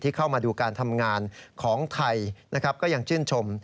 ที่เข้ามาดูการทำงานของไทยก็ยังจื่นชม